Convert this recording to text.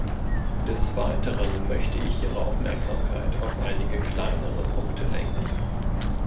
Des Weiteren möchte ich Ihre Aufmerksamkeit auf einige kleinere Punkte lenken.